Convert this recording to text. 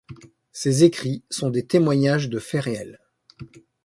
Ces écrits sont des témoignages de faits réels.